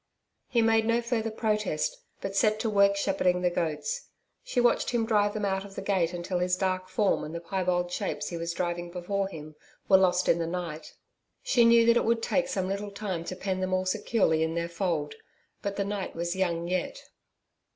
He made no further protest, but set to work shepherding the goats. She watched him drive them out of the gate till his dark form and the piebald shapes he was driving before him were lost in the night. She knew that it would take some little time to pen them all securely in their fold. But the night was young yet.